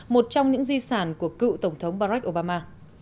một trong những di sản của cựu tổng thống barack obama